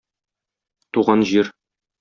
Туган җир...